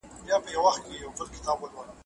کوم ډول اړیکي د میني او احترام پر بنسټ ولاړي دي؟